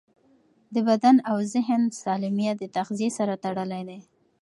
د بدن او ذهن سالمیت د تغذیې سره تړلی دی.